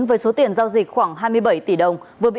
với số tiền giao dịch khoảng hai mươi bảy tỷ đồng